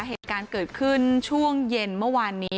เหตุการณ์เกิดขึ้นช่วงเย็นเมื่อวานนี้